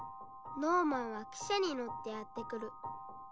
ノーマンは汽車に乗ってやって来る。